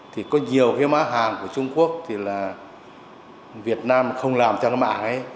thì có nhiều cái mã hàng của trung quốc thì là việt nam không làm cho cái mã hàng ấy